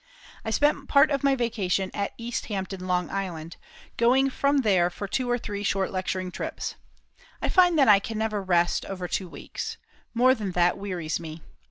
I spent part of my vacation at East Hampton, L.I., going from there for two or three short lecturing trips. I find that I can never rest over two weeks. More than that wearies me.